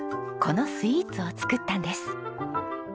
このスイーツを作ったんです。